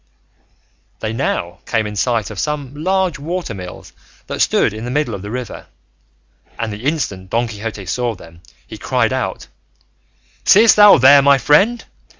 They now came in sight of some large water mills that stood in the middle of the river, and the instant Don Quixote saw them he cried out, "Seest thou there, my friend?